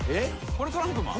これトランプマン？